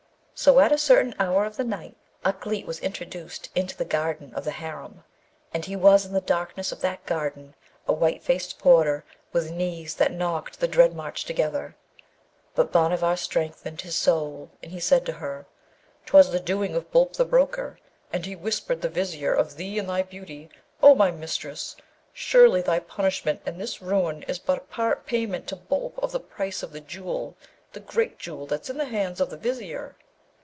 So at a certain hour of the night Ukleet was introduced into the garden of the harem, and he was in the darkness of that garden a white faced porter with knees that knocked the dread march together; but Bhanavar strengthened his soul, and he said to her, ''Twas the doing of Boolp the broker: and he whispered the Vizier of thee and thy beauty, O my mistress! Surely thy punishment and this ruin is but part payment to Boolp of the price of the Jewel, the great Jewel that's in the hands of the Vizier.'